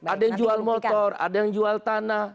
ada yang jual motor ada yang jual tanah